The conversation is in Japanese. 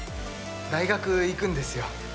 大学行くんですよ。